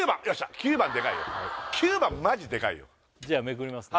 ９番でかいよ９番マジでかいよじゃあめくりますね